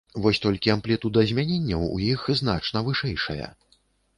Вось толькі амплітуда змяненняў у іх значна вышэйшая.